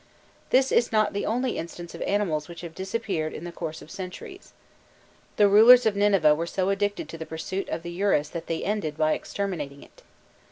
This is not the only instance of animals which have disappeared in the course of centuries; the rulers of Nineveh were so addicted to the pursuit of the urus that they ended by exterminating it.